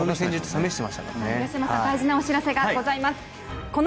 東山さん大事なお知らせがございます。